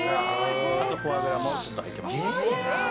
あとフォアグラもちょっと入ってます。